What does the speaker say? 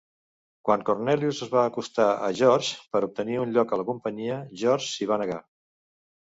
Quan Cornelius es va acostar a George per obtenir un lloc a la companyia, George s'hi va negar.